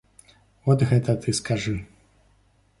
От гэта ты скажы.